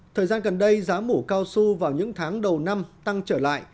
thời gian gần đây giá mủ cao su vào những tháng đầu năm tăng trở lại